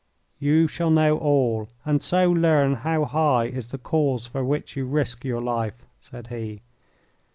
"You shall know all, and so learn how high is the cause for which you risk your life," said he.